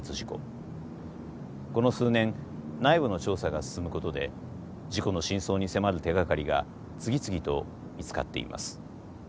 この数年内部の調査が進むことで事故の真相に迫る手がかりが次々と見つかっています。